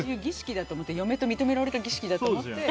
嫁と認められた儀式だと思って。